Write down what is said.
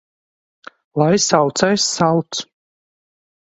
Lai saucējs sauc!